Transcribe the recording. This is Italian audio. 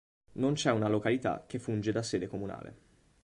Non c'è una località che funge da sede comunale.